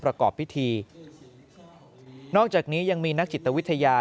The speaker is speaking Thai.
ประกอบพิธีนอกจากนี้ยังมีนักจิตวิทยา